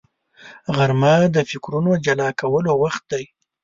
غرمه د فکرونو جلا کولو وخت دی